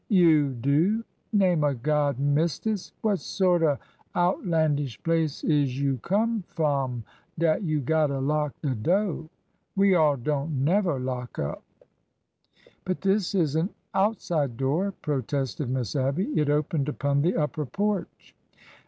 You do! Name o' God, mistis, what sort er outland ish place is you come f'om dat you gotter lock de do'? We all don't never lock up." 32 ORDER NO. 11 " But this is an outside door/' protested Miss Abby. It opened upon the upper porch.